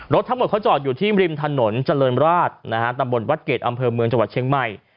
ทั้งหมดเขาจอดอยู่ที่ริมถนนเจริญราชนะฮะตำบลวัดเกรดอำเภอเมืองจังหวัดเชียงใหม่